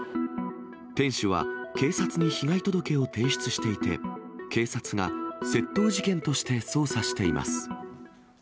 店主は警察に被害届を提出していて、警察が窃盗事件として捜査しています。